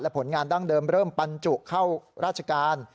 ผลงานดั้งเดิมเริ่มบรรจุเข้าราชการ